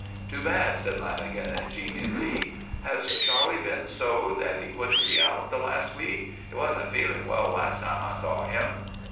"Too bad," said Lanagan, genially. "Has Charley been so that he couldn't be out the last week? He wasn't feeling well last time I saw him."